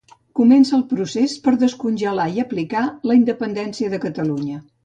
Comença el procés per descongelar i aplicar la independència de Catalunya